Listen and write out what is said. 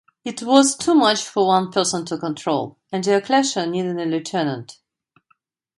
It was too much for one person to control, and Diocletian needed a lieutenant.